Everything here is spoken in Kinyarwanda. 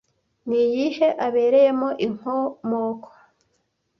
Ni iyihe abereyemo inkomoko